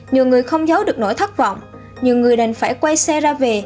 nhiều người không giấu được nỗi thất vọng nhiều người đành phải quay xe ra về